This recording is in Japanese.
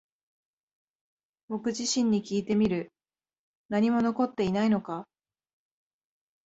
僕自身にきいてみる。何も残っていないのか？